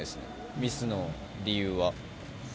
ミスの理由は。